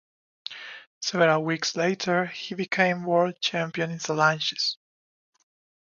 Several weeks later he became world champion in Salanches.